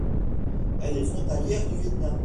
Elle est frontalière du Viêt Nam.